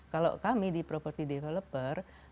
kalau kami di property developer